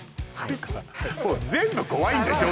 もう全部怖いんでしょ？